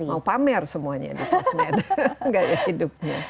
mau pamer semuanya di sosmed gaya hidupnya